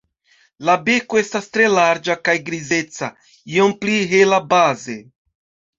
La beko estas tre larĝa kaj grizeca, iom pli hela baze.